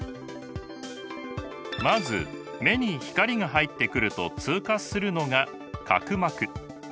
まず目に光が入ってくると通過するのが角膜。